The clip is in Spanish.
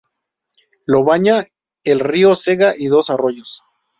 Lo baña el río Cega y dos arroyos.